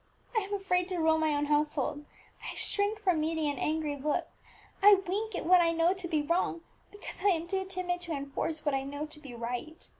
I am afraid to rule my own household; I shrink from meeting an angry look; I wink at what I know to be wrong, because I am too timid to enforce what I know to be right.